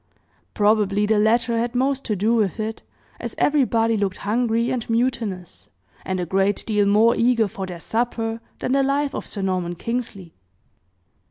Probably the latter had most to do with it, as everybody looked hungry and mutinous, and a great deal more eager for their supper than the life of Sir Norman Kingsley.